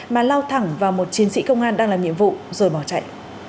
mà lao thẳng vào một chiến sĩ công an đang làm nhiệm vụ rồi bỏ chạy